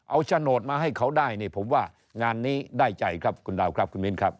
เอาโฉนดมาให้เขาได้นี่ผมว่างานนี้ได้ใจครับคุณดาวครับคุณมินครับ